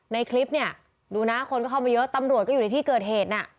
ในคลิปเนี่ยดูนะคนก็เข้ามาเยอะตำรวจก็อยู่ในที่เกิดเหตุน่ะ